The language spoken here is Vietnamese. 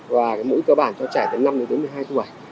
và mũ cơ bản cho trẻ từ năm một mươi hai tuổi